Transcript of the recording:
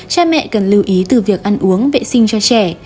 cha mẹ cần lưu ý từ việc ăn uống vệ sinh cho trẻ